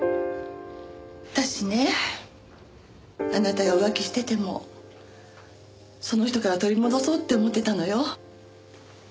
私ねあなたが浮気しててもその人から取り戻そうって思ってたのよ。